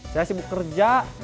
saya sibuk kerja